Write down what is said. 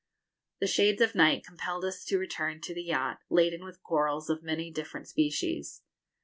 The shades of night compelled us to return to the yacht, laden with corals of many different species.